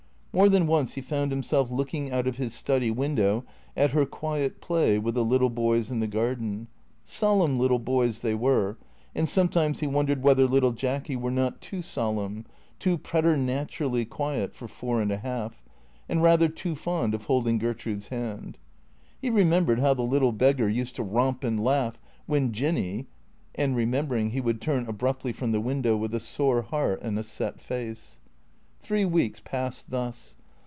More than once he found himself looking out of his study window at her quiet play with the little boys in the garden. Solemn little boys they were; and sometimes he won dered whether little Jacky were not too solemn, too preter naturally quiet for four and a half, and rather too fond of holding Gertrude's hand. He remembered how the little beggar 29 464 THECEEATOKS used to romp and laugh when Jinny And remembering he would turn abruptly from the window with a sore heart and a set face. Three weeks passed thus.